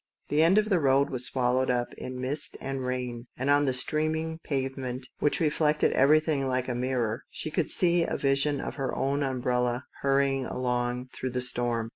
The end of the road was swallowed up in mist and rain, and on the streaming pavement, which reflected everything like a mirror, she could see a vision of her own umbrella hurry ing along through the storm.